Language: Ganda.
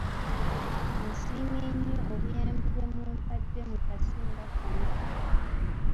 Nsiimye nnyo obuyambi bwe mumpadde mu kaseera kano.